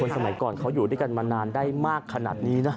สมัยก่อนเขาอยู่ด้วยกันมานานได้มากขนาดนี้นะ